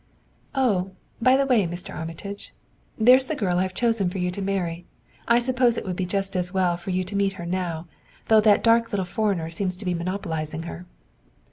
"Oh, by the way, Mr. Armitage, there's the girl I have chosen for you to marry. I suppose it would be just as well for you to meet her now, though that dark little foreigner seems to be monopolizing her."